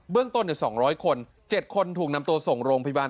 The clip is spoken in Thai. เรื่องต้น๒๐๐คน๗คนถูกนำตัวส่งโรงพยาบาล